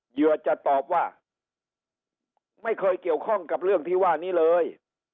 เหยื่อจะตอบว่าไม่เคยเกี่ยวข้องกับเรื่องที่ว่านี้เลย